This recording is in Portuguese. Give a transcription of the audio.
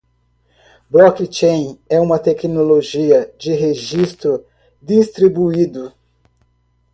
Blockchain é uma tecnologia de registro distribuído.